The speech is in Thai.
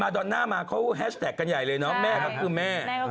บอร์ดอนอะมาแฮชแท็กกันใหญ่เลยเนอะ